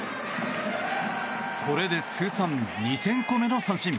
これで通算２０００個目の三振。